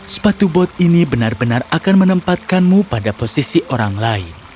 sepatu bot ini benar benar akan menempatkanmu pada posisi orang lain